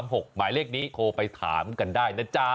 หมายเลขนี้โทรไปถามกันได้นะจ๊ะ